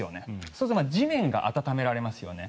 そうすると地面が暖められますよね。